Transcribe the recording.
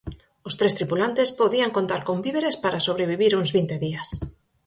Os tres tripulantes podían contar con víveres para sobrevivir uns vinte días.